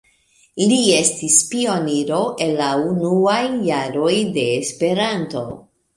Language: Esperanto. Li estis pioniro el la unuaj jaroj de Esperanto.